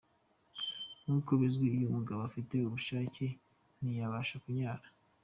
Nkuko bizwi, iyo umugabo afite ubushake, ntiyabasha kunyara.